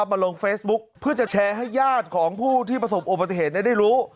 มาลงเฟซบุ๊คเพื่อจะแชร์ให้ญาติของผู้ที่ประสบอุบัติเหตุได้รู้